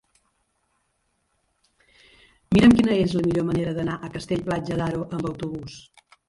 Mira'm quina és la millor manera d'anar a Castell-Platja d'Aro amb autobús.